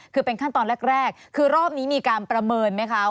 คือเป็นขั้นตอนแรกคือรอบนี้มีการประเมินไหมคะ